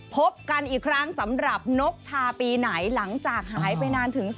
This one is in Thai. พบกันอีกครั้งสำหรับนกทาปีไหนหลังจากหายไปนานถึง